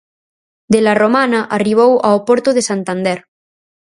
De la Romana arribou ao porto de Santander.